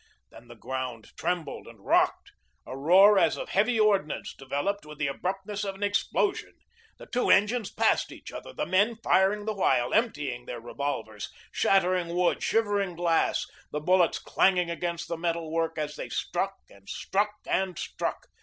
Then the ground trembled and rocked; a roar as of heavy ordnance developed with the abruptness of an explosion. The two engines passed each other, the men firing the while, emptying their revolvers, shattering wood, shivering glass, the bullets clanging against the metal work as they struck and struck and struck.